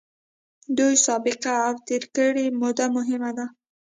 دوی سابقه او تېره کړې موده مهمه ده.